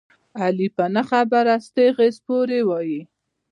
علي په نه خبره ستغې سپورې وايي.